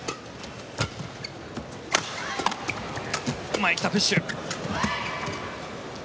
前来た、プッシュ。